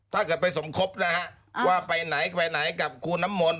ถ้าเกิดไปสมคบนะฮะว่าไปไหนไปไหนกับครูน้ำมนต